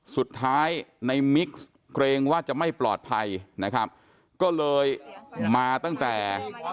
สุดท้ายในมิกซ์เกรงว่าจะไม่ปลอดภัยนะครับก็เลยมาตั้งแต่